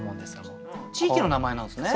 地域の名前なんですね。